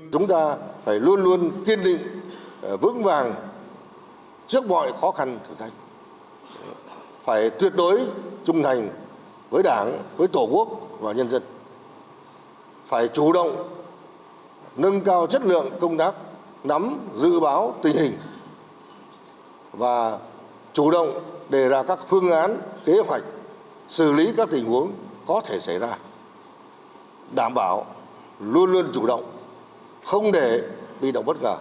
trong tình hình mới yêu cầu ngày càng cao đòi hỏi tổ quốc nâng cao chất lượng công tác nắm dự báo tình hình và chủ động để ra các phương án kế hoạch xử lý các tình huống có thể xảy ra đảm bảo luôn luôn chủ động không để bị động bất ngờ